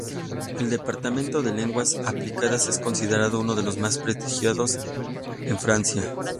El departamento de Lenguas Aplicadas es considerado uno de los más prestigiosos de Francia.